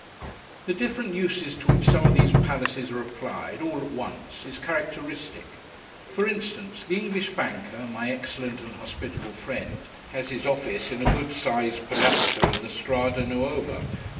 The different uses to which some of these Palaces are applied, all at once, is characteristic. For instance, the English Banker (my excellent and hospitable friend) has his office in a good sized Palazzo in the Strada Nuova.